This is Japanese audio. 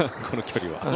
この距離は。